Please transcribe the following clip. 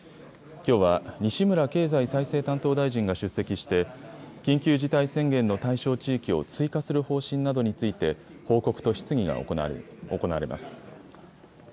きょうは西村経済再生担当大臣が出席して、緊急事態宣言の対象地域を追加する方針などについて、報告と質疑が行われます。